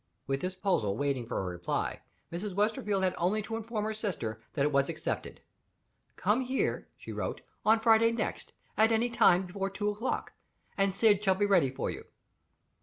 With this proposal waiting for a reply, Mrs. Westerfield had only to inform her sister that it was accepted. "Come here," she wrote, "on Friday next, at any time before two o'clock, and Syd shall be ready for you.